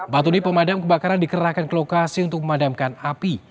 batuni pemadam kebakaran dikerahkan ke lokasi untuk memadamkan api